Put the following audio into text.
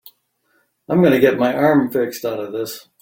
I'm gonna get my arm fixed out of this.